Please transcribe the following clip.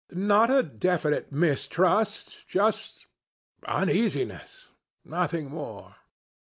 Not a definite mistrust just uneasiness nothing more.